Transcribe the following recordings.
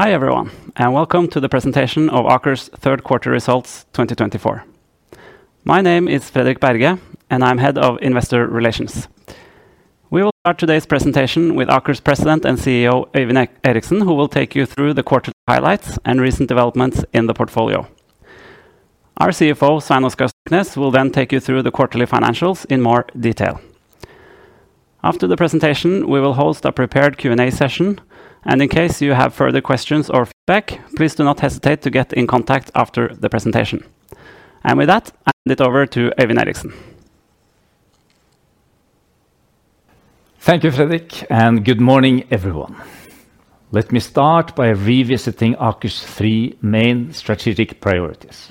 Hi everyone, and welcome to the presentation of Aker's third quarter results 2024. My name is Fredrik Berge, and I'm head of investor relations. We will start today's presentation with Aker's president and CEO, Øyvind Eriksen, who will take you through the quarterly highlights and recent developments in the portfolio. Our CFO, Svein Oskar Stoknes, will then take you through the quarterly financials in more detail. After the presentation, we will host a prepared Q&A session, and in case you have further questions or feedback, please do not hesitate to get in contact after the presentation. And with that, I hand it over to Øyvind Eriksen. Thank you, Fredrik, and good morning, everyone. Let me start by revisiting Aker's three main strategic priorities.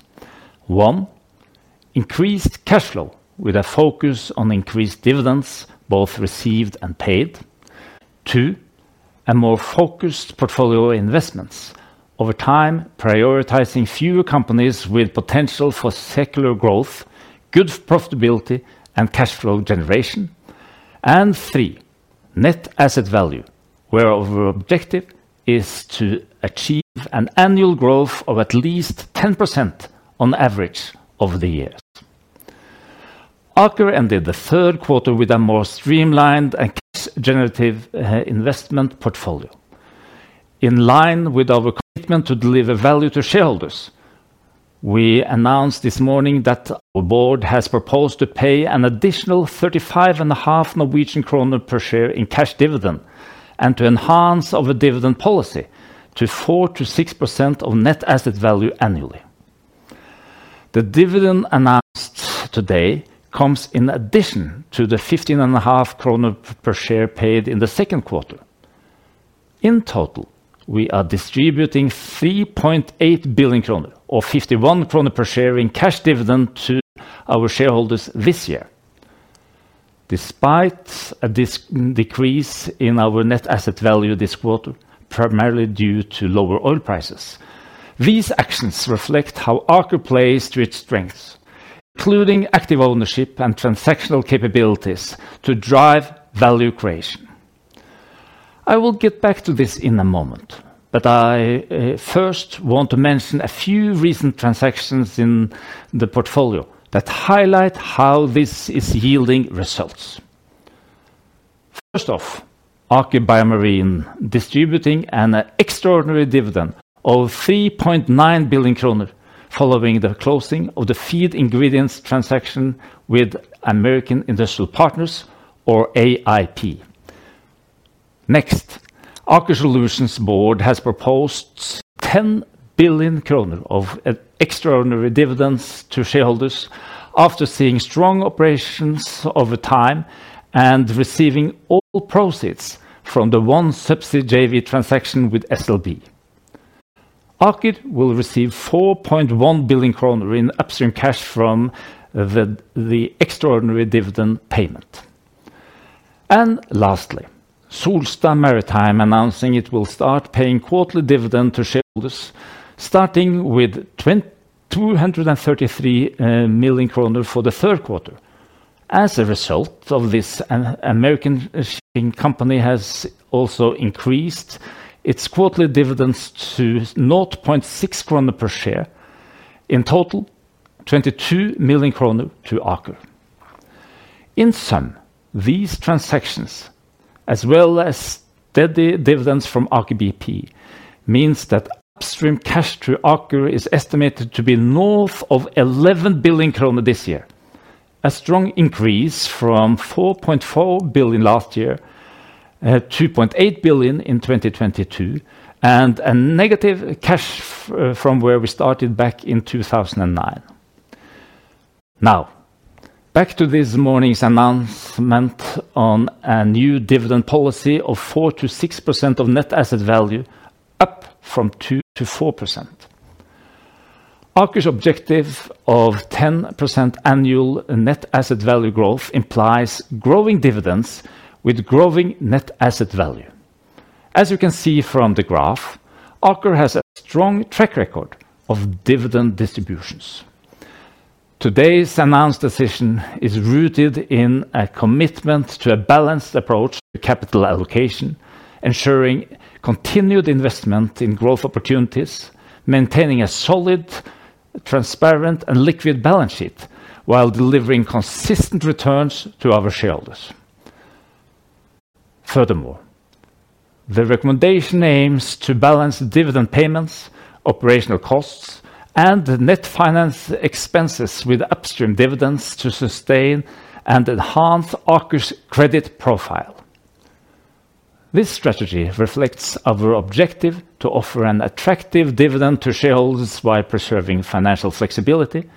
One, increased cash flow with a focus on increased dividends, both received and paid. Two, a more focused portfolio investments over time, prioritizing fewer companies with potential for secular growth, good profitability, and cash flow generation. And three, net asset value, where our objective is to achieve an annual growth of at least 10% on average over the years. Aker ended the third quarter with a more streamlined and cash-generative investment portfolio. In line with our commitment to deliver value to shareholders, we announced this morning that our board has proposed to pay an additional 35.5 Norwegian kroner per share in cash dividend and to enhance our dividend policy to 4%-6% of net asset value annually. The dividend announced today comes in addition to the 15.5 kroner per share paid in the second quarter. In total, we are distributing 3.8 billion kroner, or 51 kroner per share in cash dividend to our shareholders this year. Despite a decrease in our net asset value this quarter, primarily due to lower oil prices, these actions reflect how Aker plays to its strengths, including active ownership and transactional capabilities to drive value creation. I will get back to this in a moment, but I first want to mention a few recent transactions in the portfolio that highlight how this is yielding results. First off, Aker BioMarine distributing an extraordinary dividend of 3.9 billion kroner following the closing of the feed ingredients transaction with American Industrial Partners, or AIP. Next, Aker Solutions board has proposed 10 billion kroner of extraordinary dividends to shareholders after seeing strong operations over time and receiving all proceeds from the OneSubsea transaction with SLB. Aker will receive 4.1 billion kroner in upstream cash from the extraordinary dividend payment, and lastly, Solstad Maritime announcing it will start paying quarterly dividend to shareholders, starting with 233 million kroner for the third quarter. As a result of this, an American shipping company has also increased its quarterly dividends to 0.6 kroner per share. In total, 22 million kroner to Aker. In sum, these transactions, as well as steady dividends from Aker BP, means that upstream cash to Aker is estimated to be north of 11 billion kroner this year, a strong increase from 4.4 billion last year, 2.8 billion in 2022, and a negative cash from where we started back in 2009. Now, back to this morning's announcement on a new dividend policy of 4%-6% of net asset value, up from 2%-4%. Aker's objective of 10% annual net asset value growth implies growing dividends with growing net asset value. As you can see from the graph, Aker has a strong track record of dividend distributions. Today's announced decision is rooted in a commitment to a balanced approach to capital allocation, ensuring continued investment in growth opportunities, maintaining a solid, transparent, and liquid balance sheet while delivering consistent returns to our shareholders. Furthermore, the recommendation aims to balance dividend payments, operational costs, and net finance expenses with upstream dividends to sustain and enhance Aker's credit profile. This strategy reflects our objective to offer an attractive dividend to shareholders by preserving financial flexibility,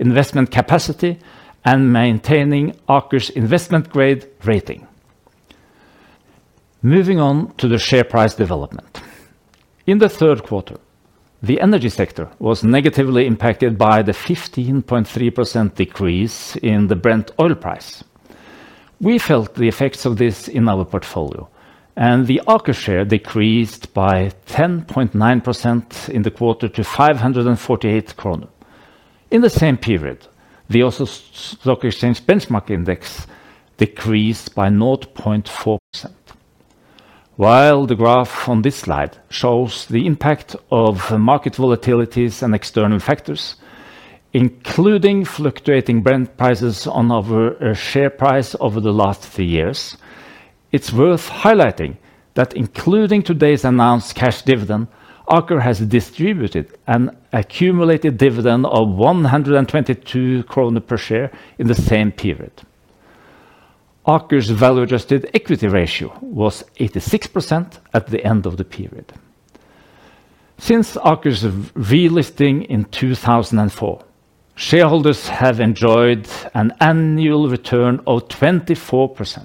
investment capacity, and maintaining Aker's investment grade rating. Moving on to the share price development. In the third quarter, the energy sector was negatively impacted by the 15.3% decrease in the Brent oil price. We felt the effects of this in our portfolio, and the Aker share decreased by 10.9% in the quarter to 548 kroner. In the same period, the Oslo Stock Exchange benchmark index decreased by 0.4%. While the graph on this slide shows the impact of market volatilities and external factors, including fluctuating Brent prices on our share price over the last three years, it's worth highlighting that including today's announced cash dividend. Aker has distributed an accumulated dividend of 122 krone per share in the same period. Aker's value-adjusted equity ratio was 86% at the end of the period. Since Aker's relisting in 2004, shareholders have enjoyed an annual return of 24%.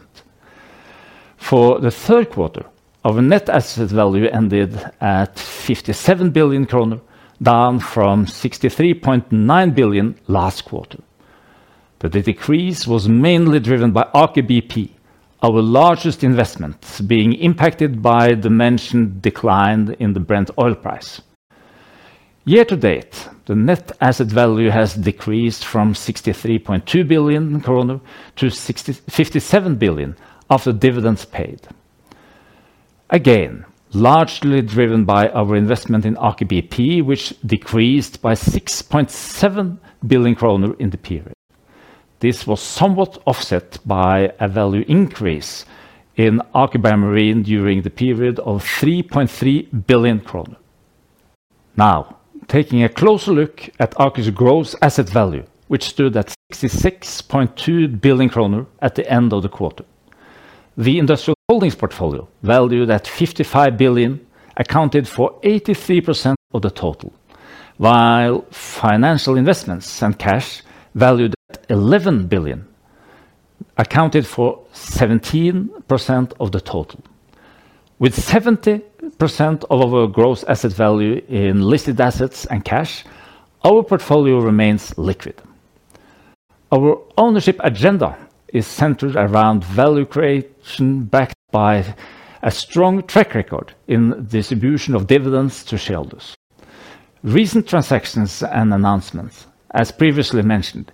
For the third quarter, our net asset value ended at 57 billion kroner, down from 63.9 billion last quarter. But the decrease was mainly driven by Aker BP, our largest investment, being impacted by the mentioned decline in the Brent oil price. Year to date, the net asset value has decreased from 63.2 billion krone to 57 billion after dividends paid. Again, largely driven by our investment in Aker BP, which decreased by 6.7 billion kroner in the period. This was somewhat offset by a value increase in Aker BioMarine during the period of 3.3 billion kroner. Now, taking a closer look at Aker's gross asset value, which stood at 66.2 billion kroner at the end of the quarter. The industrial holdings portfolio, valued at 55 billion, accounted for 83% of the total, while financial investments and cash, valued at 11 billion, accounted for 17% of the total. With 70% of our gross asset value in listed assets and cash, our portfolio remains liquid. Our ownership agenda is centered around value creation, backed by a strong track record in distribution of dividends to shareholders. Recent transactions and announcements, as previously mentioned,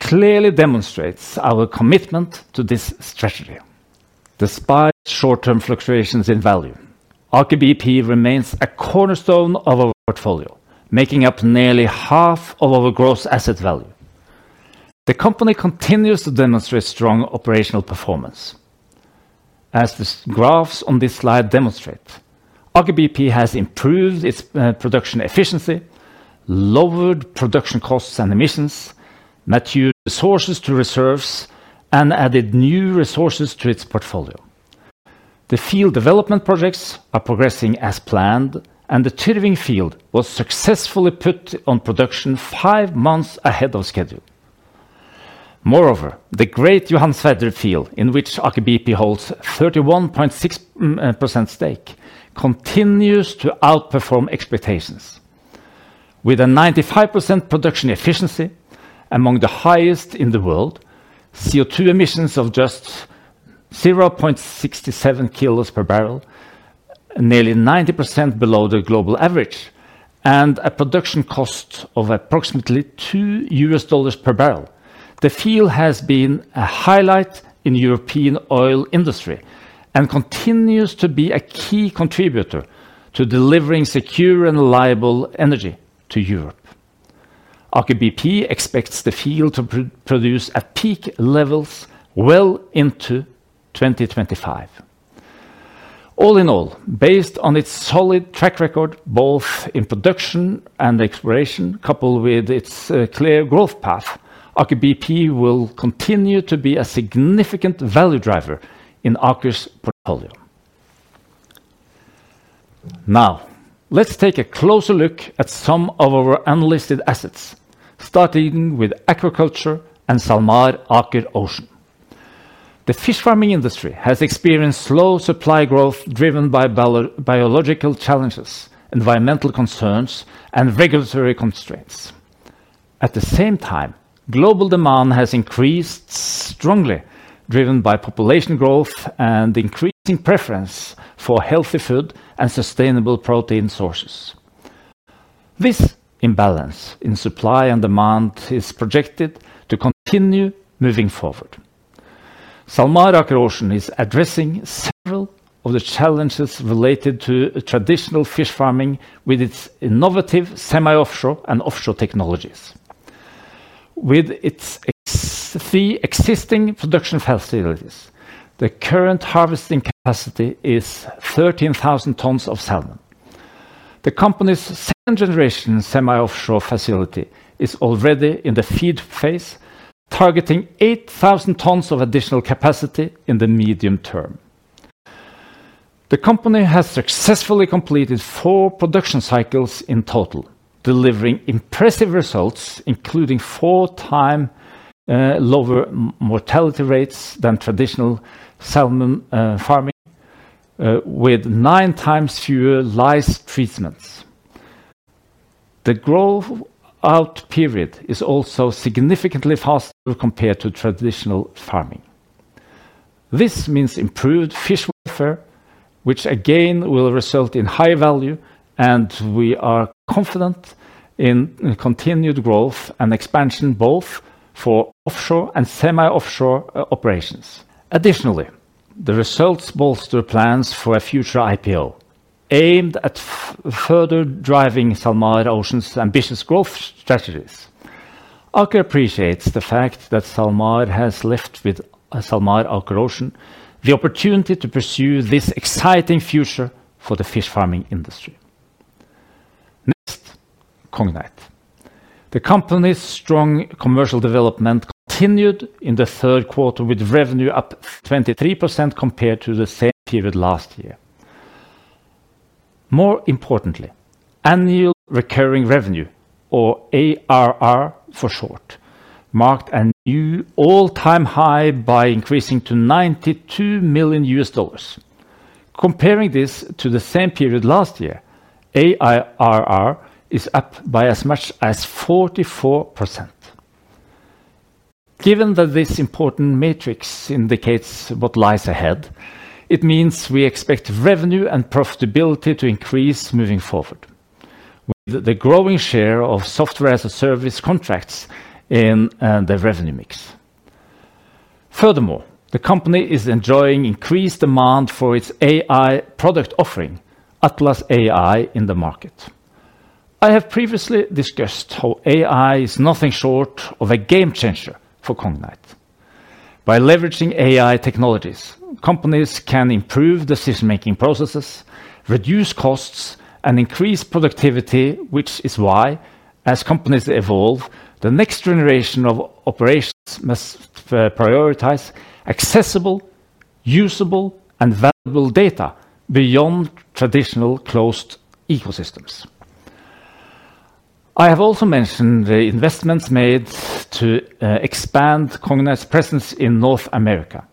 clearly demonstrate our commitment to this strategy. Despite short-term fluctuations in value, Aker BP remains a cornerstone of our portfolio, making up nearly half of our gross asset value. The company continues to demonstrate strong operational performance. As the graphs on this slide demonstrate, Aker BP has improved its production efficiency, lowered production costs and emissions, matured resources to reserves, and added new resources to its portfolio. The field development projects are progressing as planned, and the Tyrving field was successfully put on production five months ahead of schedule. Moreover, the great Johan Sverdrup field, in which Aker BP holds a 31.6% stake, continues to outperform expectations. With a 95% production efficiency, among the highest in the world, CO2 emissions of just 0.67 kilos per barrel, nearly 90% below the global average, and a production cost of approximately $2 per barrel, the field has been a highlight in the European oil industry and continues to be a key contributor to delivering secure and reliable energy to Europe. Aker BP expects the field to produce at peak levels well into 2025. All in all, based on its solid track record, both in production and exploration, coupled with its clear growth path, Aker BP will continue to be a significant value driver in Aker's portfolio. Now, let's take a closer look at some of our unlisted assets, starting with aquaculture and SalMar Aker Ocean. The fish farming industry has experienced slow supply growth driven by biological challenges, environmental concerns, and regulatory constraints. At the same time, global demand has increased strongly, driven by population growth and increasing preference for healthy food and sustainable protein sources. This imbalance in supply and demand is projected to continue moving forward. SalMar Aker Ocean is addressing several of the challenges related to traditional fish farming with its innovative semi-offshore and offshore technologies. With its three existing production facilities, the current harvesting capacity is 13,000 tons of salmon. The company's second-generation semi-offshore facility is already in the FEED phase, targeting 8,000 tons of additional capacity in the medium term. The company has successfully completed four production cycles in total, delivering impressive results, including four times lower mortality rates than traditional salmon farming, with nine times fewer lice treatments. The growth period is also significantly faster compared to traditional farming. This means improved fish welfare, which again will result in high value, and we are confident in continued growth and expansion both for offshore and semi-offshore operations. Additionally, the results bolster plans for a future IPO aimed at further driving SalMar Aker Ocean's ambitious growth strategies. Aker appreciates the fact that SalMar Aker Ocean has left with Aker Ocean the opportunity to pursue this exciting future for the fish farming industry. Next, Cognite. The company's strong commercial development continued in the third quarter, with revenue up 23% compared to the same period last year. More importantly, annual recurring revenue, or ARR for short, marked a new all-time high by increasing to $92 million. Comparing this to the same period last year, ARR is up by as much as 44%. Given that this important matrix indicates what lies ahead, it means we expect revenue and profitability to increase moving forward, with the growing share of software-as-a-service contracts in the revenue mix. Furthermore, the company is enjoying increased demand for its AI product offering, Atlas AI, in the market. I have previously discussed how AI is nothing short of a game changer for Cognite. By leveraging AI technologies, companies can improve decision-making processes, reduce costs, and increase productivity, which is why, as companies evolve, the next generation of operations must prioritize accessible, usable, and valuable data beyond traditional closed ecosystems. I have also mentioned the investments made to expand Cognite's presence in North America,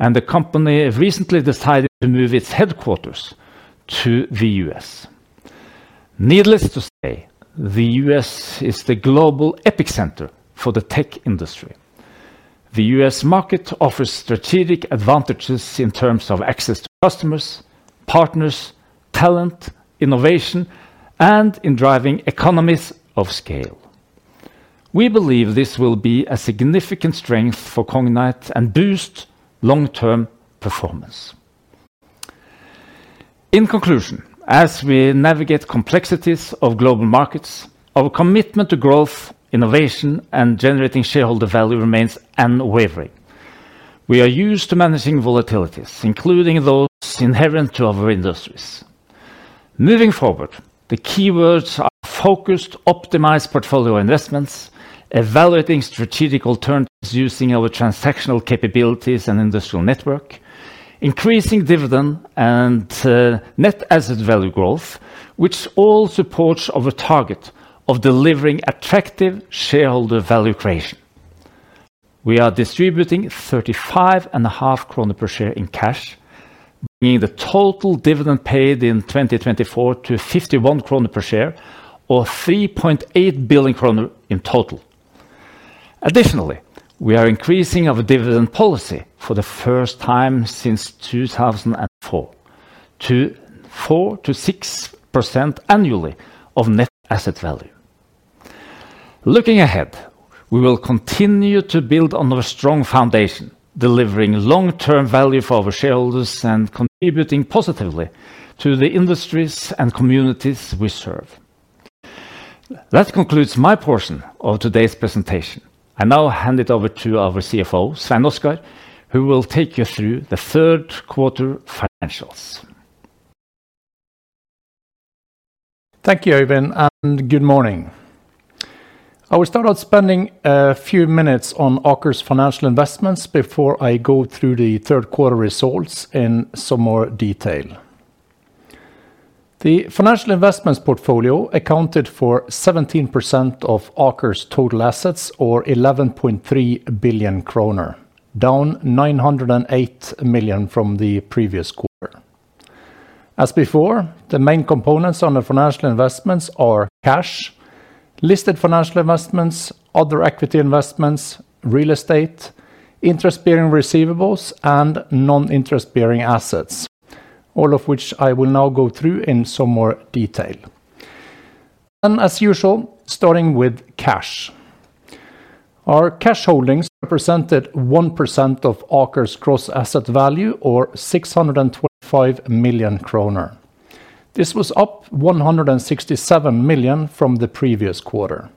and the company recently decided to move its headquarters to the U.S. Needless to say, the U.S. is the global epicenter for the tech industry. The U.S. market offers strategic advantages in terms of access to customers, partners, talent, innovation, and in driving economies of scale. We believe this will be a significant strength for Cognite and boost long-term performance. In conclusion, as we navigate complexities of global markets, our commitment to growth, innovation, and generating shareholder value remains unwavering. We are used to managing volatilities, including those inherent to our industries. Moving forward, the keywords are focused, optimized portfolio investments, evaluating strategic alternatives using our transactional capabilities and industrial network, increasing dividend and net asset value growth, which all support our target of delivering attractive shareholder value creation. We are distributing 35.5 kroner per share in cash, bringing the total dividend paid in 2024 to 51 kroner per share, or 3.8 billion kroner in total. Additionally, we are increasing our dividend policy for the first time since 2004 to 4%-6% annually of net asset value. Looking ahead, we will continue to build on our strong foundation, delivering long-term value for our shareholders and contributing positively to the industries and communities we serve. That concludes my portion of today's presentation. I now hand it over to our CFO, Svein Oskar, who will take you through the third quarter financials. Thank you, Øyvind, and good morning. I will start out spending a few minutes on Aker's financial investments before I go through the third quarter results in some more detail. The financial investments portfolio accounted for 17% of Aker's total assets, or 11.3 billion kroner, down 908 million NOK from the previous quarter. As before, the main components on the financial investments are cash, listed financial investments, other equity investments, real estate, interest-bearing receivables, and non-interest-bearing assets, all of which I will now go through in some more detail. Then, as usual, starting with cash. Our cash holdings represented 1% of Aker's gross asset value, or 625 million kroner. This was up 167 million from the previous quarter.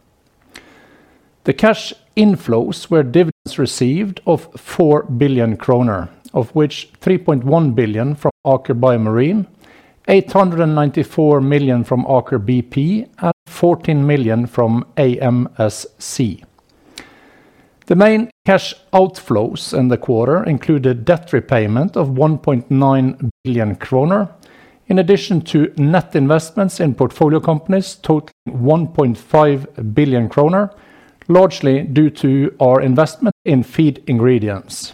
The cash inflows were dividends received of 4 billion kroner, of which 3.1 billion from Aker BioMarine, 894 million from Aker BP, and 14 million from AMSC. The main cash outflows in the quarter included debt repayment of 1.9 billion kroner, in addition to net investments in portfolio companies totaling 1.5 billion kroner, largely due to our investment in feed ingredients.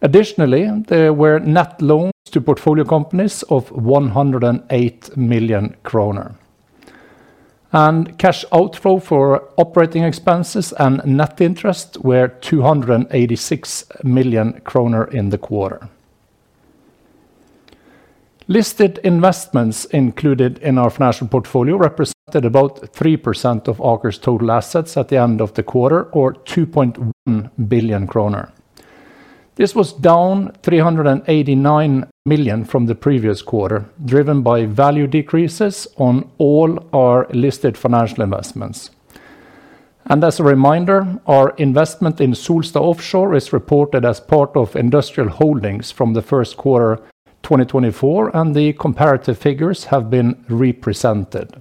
Additionally, there were net loans to portfolio companies of 108 million kroner. Cash outflow for operating expenses and net interest were 286 million kroner in the quarter. Listed investments included in our financial portfolio represented about 3% of Aker's total assets at the end of the quarter, or 2.1 billion kroner. This was down 389 million NOK from the previous quarter, driven by value decreases on all our listed financial investments. As a reminder, our investment in Solstad Offshore is reported as part of industrial holdings from the first quarter 2024, and the comparative figures have been represented.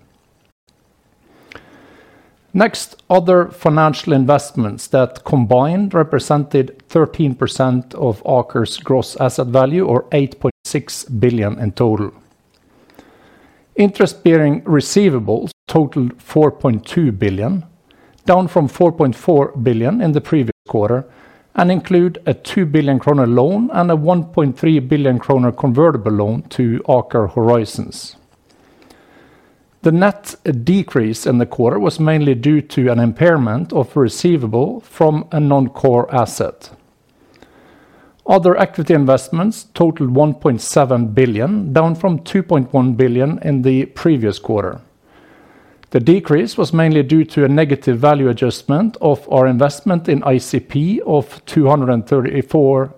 Next, other financial investments that combined represented 13% of Aker's gross asset value, or 8.6 billion NOK in total. Interest-bearing receivables totaled 4.2 billion NOK, down from 4.4 billion NOK in the previous quarter, and include a 2 billion kroner loan and a 1.3 billion kroner convertible loan to Aker Horizons. The net decrease in the quarter was mainly due to an impairment of receivable from a non-core asset. Other equity investments totaled 1.7 billion, down from 2.1 billion in the previous quarter. The decrease was mainly due to a negative value adjustment of our investment in ICP of 234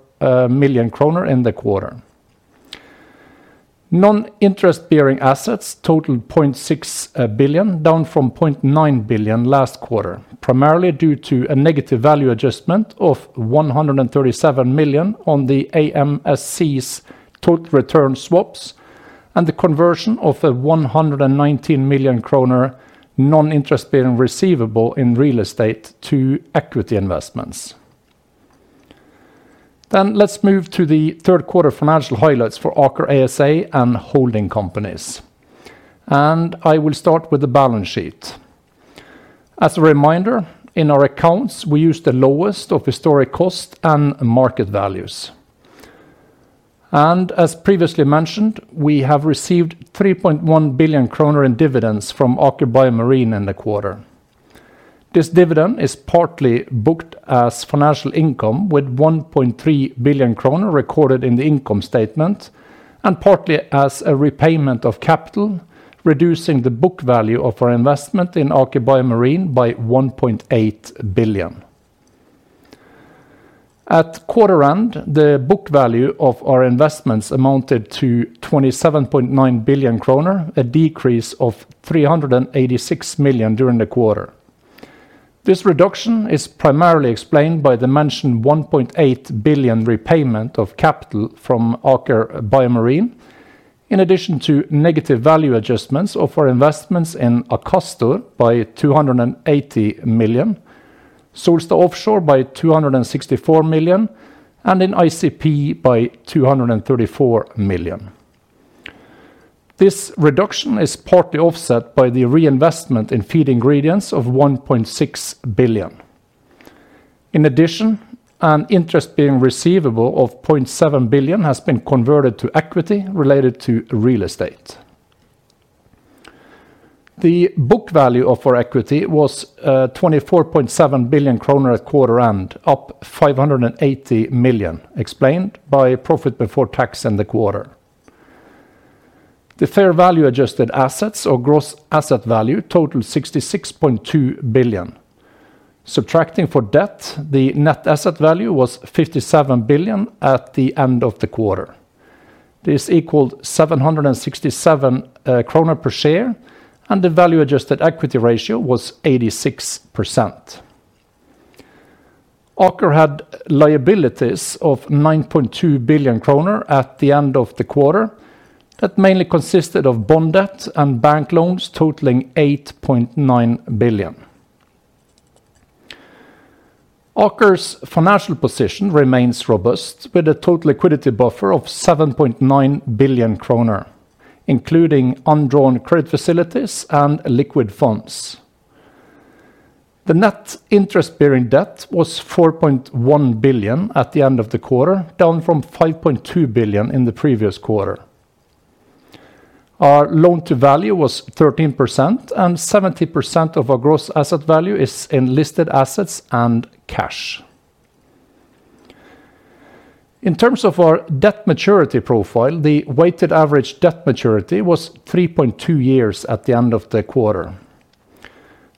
million kroner in the quarter. Non-interest-bearing assets totaled 0.6 billion, down from 0.9 billion last quarter, primarily due to a negative value adjustment of 137 million on the AMSC's total return swaps and the conversion of a 119 million kroner non-interest-bearing receivable in real estate to equity investments. Then let's move to the third quarter financial highlights for Aker ASA and holding companies. And I will start with the balance sheet. As a reminder, in our accounts, we use the lowest of historic cost and market values. And as previously mentioned, we have received 3.1 billion kroner in dividends from Aker BioMarine in the quarter. This dividend is partly booked as financial income, with 1.3 billion kroner recorded in the income statement, and partly as a repayment of capital, reducing the book value of our investment in Aker BioMarine by 1.8 billion. At quarter end, the book value of our investments amounted to 27.9 billion kroner, a decrease of 386 million during the quarter. This reduction is primarily explained by the mentioned 1.8 billion repayment of capital from Aker BioMarine, in addition to negative value adjustments of our investments in Akastor by 280 million, Solstad Offshore by 264 million, and in ICP by 234 million. This reduction is partly offset by the reinvestment in feed ingredients of 1.6 billion. In addition, an interest-bearing receivable of 0.7 billion has been converted to equity related to real estate. The book value of our equity was 24.7 billion kroner at quarter end, up 580 million, explained by profit before tax in the quarter. The fair value adjusted assets, or gross asset value, totaled 66.2 billion. Subtracting for debt, the net asset value was 57 billion at the end of the quarter. This equaled 767 kroner per share, and the value adjusted equity ratio was 86%. Aker had liabilities of 9.2 billion kroner at the end of the quarter that mainly consisted of bond debt and bank loans totaling 8.9 billion. Aker's financial position remains robust, with a total liquidity buffer of 7.9 billion kroner, including undrawn credit facilities and liquid funds. The net interest-bearing debt was 4.1 billion at the end of the quarter, down from 5.2 billion in the previous quarter. Our loan-to-value was 13%, and 70% of our gross asset value is in listed assets and cash. In terms of our debt maturity profile, the weighted average debt maturity was 3.2 years at the end of the quarter.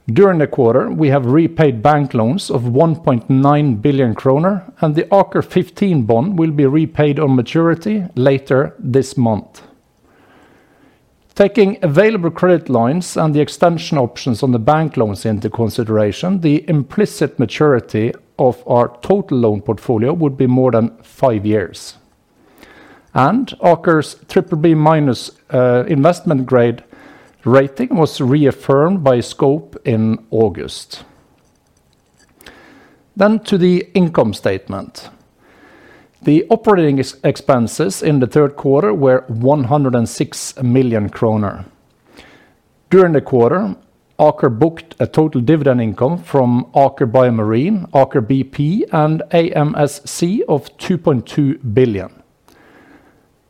During the quarter, we have repaid bank loans of 1.9 billion kroner, and the Aker 15 bond will be repaid on maturity later this month. Taking available credit lines and the extension options on the bank loans into consideration, the implicit maturity of our total loan portfolio would be more than five years, and Aker's BBB- investment grade rating was reaffirmed by Scope in August, then to the income statement. The operating expenses in the third quarter were 106 million kroner. During the quarter, Aker booked a total dividend income from Aker BioMarine, Aker BP, and AMSC of 2.2 billion.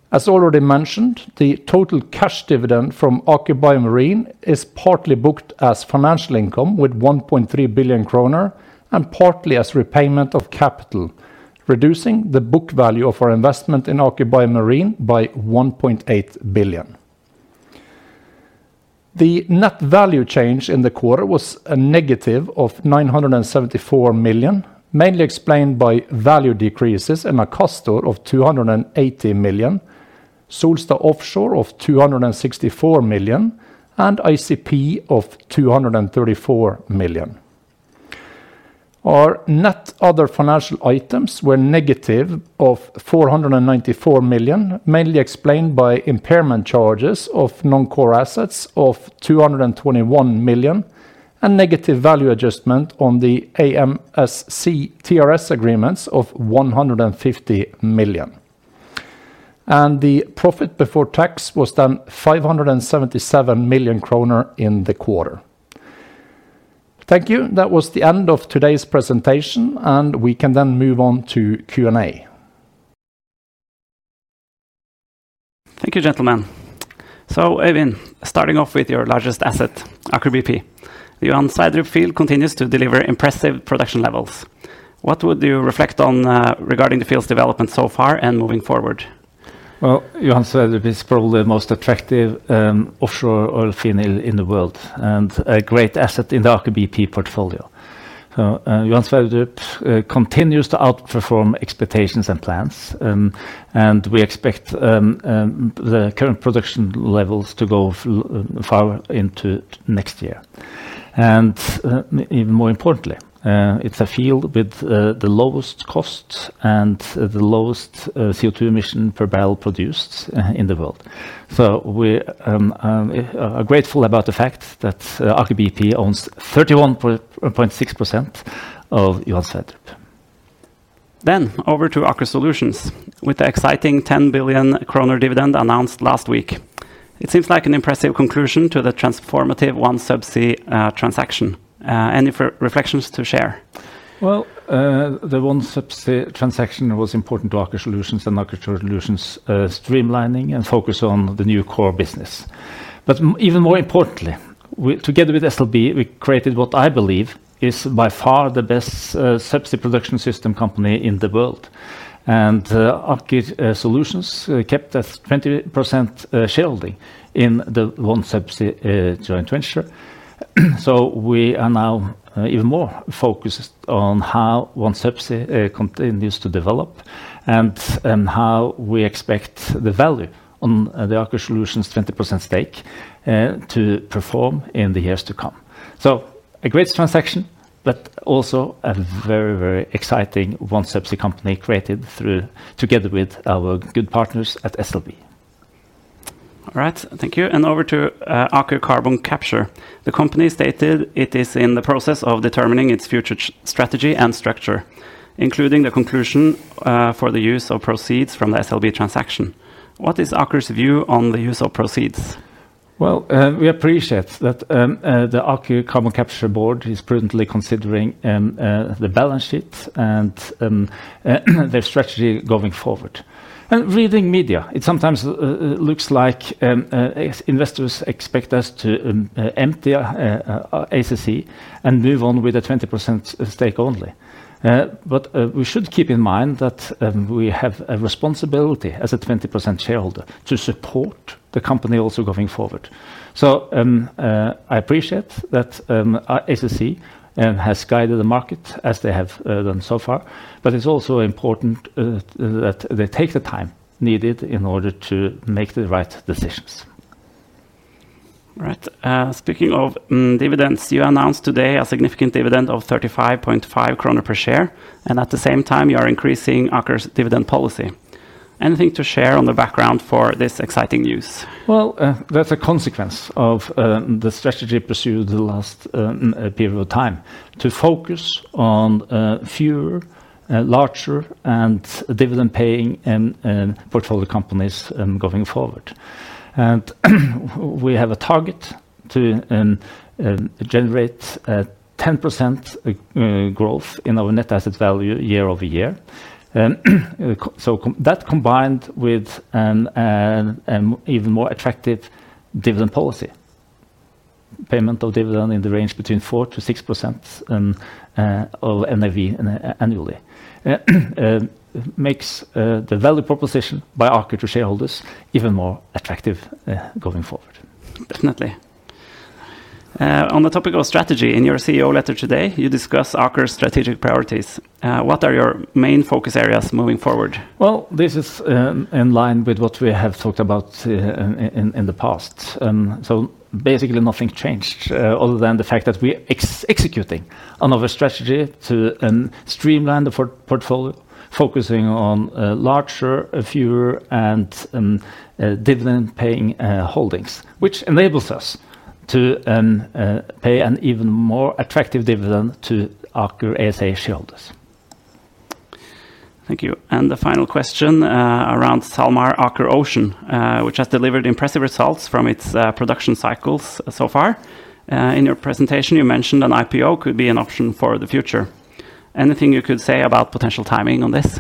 As already mentioned, the total cash dividend from Aker BioMarine is partly booked as financial income with 1.3 billion kroner and partly as repayment of capital, reducing the book value of our investment in Aker BioMarine by 1.8 billion. The net value change in the quarter was a negative of 974 million, mainly explained by value decreases in Akastor of 280 million, Solstad Offshore of 264 million, and ICP of 234 million. Our net other financial items were negative of 494 million, mainly explained by impairment charges of non-core assets of 221 million, and negative value adjustment on the AMSC TRS agreements of 150 million, and the profit before tax was then 577 million kroner in the quarter. Thank you. That was the end of today's presentation, and we can then move on to Q&A. Thank you, gentlemen. Øyvind, starting off with your largest asset, Aker BP, Johan Sverdrup field continues to deliver impressive production levels. What would you reflect on regarding the field's development so far and moving forward? Johan Sverdrup is probably the most attractive offshore oil field in the world and a great asset in the Aker BP portfolio. Johan Sverdrup continues to outperform expectations and plans, and we expect the current production levels to go far into next year. Even more importantly, it's a field with the lowest cost and the lowest CO2 emission per barrel produced in the world. We are grateful about the fact that Aker BP owns 31.6% of Johan Sverdrup. Over to Aker Solutions with the exciting 10 billion kroner dividend announced last week. It seems like an impressive conclusion to the transformative OneSubsea transaction. Any reflections to share? The OneSubsea transaction was important to Aker Solutions and Aker Solutions' streamlining and focus on the new core business, but even more importantly, together with SLB, we created what I believe is by far the best subsea production system company in the world, and Aker Solutions kept a 20% shareholding in the OneSubsea joint venture, so we are now even more focused on how OneSubsea continues to develop and how we expect the value on the Aker Solutions' 20% stake to perform in the years to come, so a great transaction, but also a very, very exciting OneSubsea company created together with our good partners at SLB. All right, thank you, and over to Aker Carbon Capture. The company stated it is in the process of determining its future strategy and structure, including the conclusion for the use of proceeds from the SLB transaction. What is Aker's view on the use of proceeds? Well, we appreciate that the Aker Carbon Capture board is prudently considering the balance sheet and their strategy going forward. And reading media, it sometimes looks like investors expect us to empty our ACC and move on with a 20% stake only. But we should keep in mind that we have a responsibility as a 20% shareholder to support the company also going forward. So, I appreciate that ACC has guided the market as they have done so far, but it's also important that they take the time needed in order to make the right decisions. Right. Speaking of dividends, you announced today a significant dividend of 35.5 kroner per share, and at the same time, you are increasing Aker's dividend policy. Anything to share on the background for this exciting news? That's a consequence of the strategy pursued the last period of time to focus on fewer, larger, and dividend-paying portfolio companies going forward. And we have a target to generate a 10% growth in our net asset value year over year. So, that combined with an even more attractive dividend policy, payment of dividend in the range between 4%-6% of NAV annually, makes the value proposition by Aker to shareholders even more attractive going forward. Definitely. On the topic of strategy, in your CEO letter today, you discuss Aker's strategic priorities. What are your main focus areas moving forward? This is in line with what we have talked about in the past. So, basically, nothing changed other than the fact that we are executing on our strategy to streamline the portfolio, focusing on larger, fewer, and dividend-paying holdings, which enables us to pay an even more attractive dividend to Aker ASA shareholders. Thank you. And the final question around SalMar Aker Ocean, which has delivered impressive results from its production cycles so far. In your presentation, you mentioned an IPO could be an option for the future. Anything you could say about potential timing on this?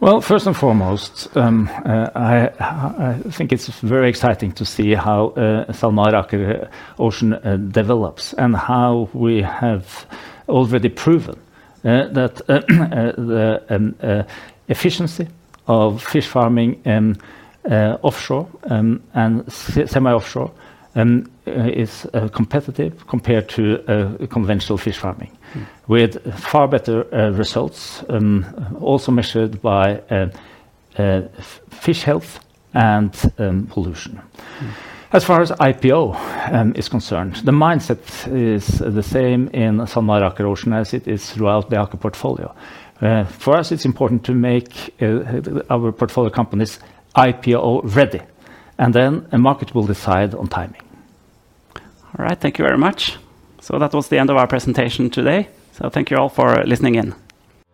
Well, first and foremost, I think it's very exciting to see how SalMar Aker Ocean develops and how we have already proven that the efficiency of fish farming offshore and semi-offshore is competitive compared to conventional fish farming, with far better results, also measured by fish health and pollution. As far as IPO is concerned, the mindset is the same in SalMar Aker Ocean as it is throughout the Aker portfolio. For us, it's important to make our portfolio companies IPO ready, and then a market will decide on timing. All right, thank you very much. So, that was the end of our presentation today. So, thank you all for listening in.